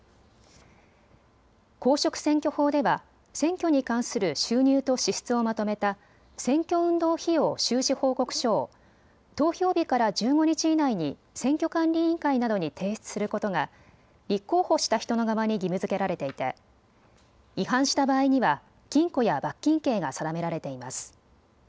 公職選挙法では選挙に関する収入と支出をまとめた選挙運動費用収支報告書を投票日から１５日以内に選挙管理委員会などに提出することが立候補した人の側に義務づけられていて違反した場合には禁錮や罰金刑が定められています。